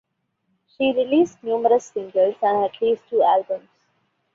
She released numerous singles and at least two albums.